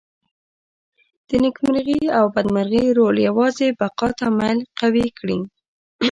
نېکمرغي او بدمرغي رول یوازې بقا ته میل قوي کړي.